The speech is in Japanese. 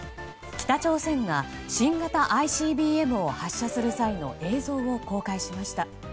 北朝鮮が新型ＩＣＢＭを発射する際の映像を公開しました。